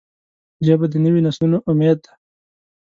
ژبه د نوي نسلونو امید ده